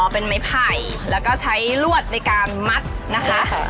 เป็นไม้ไผ่แล้วก็ใช้ลวดในการมัดนะคะ